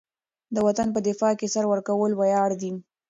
د وطن په دفاع کې سر ورکول ویاړ دی.